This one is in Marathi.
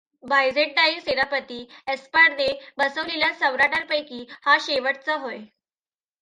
बायझेन्टाईन सेनापती ऍस्पारने बसवलेल्या सम्राटांपैकी हा शेवटचा होय.